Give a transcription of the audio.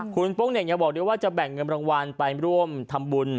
คุณโป้งเน่งยังบอกด้วยว่าจะแบ่งเงินรางวัลไปร่วมทำบุญ